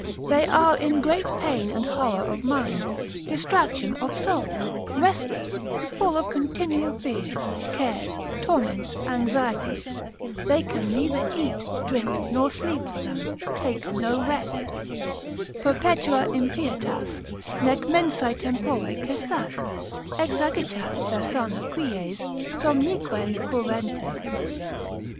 They are in great pain and horror of mind, distraction of soul, restless, full of continual fears, cares, torments, anxieties, they can neither eat, drink, nor sleep for them, take no rest, Perpetua impietas, nec mensae tempore cessat, Exagitat vesana quies, somnique furentes.